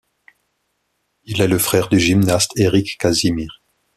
Il est le frère du gymnaste Éric Casimir.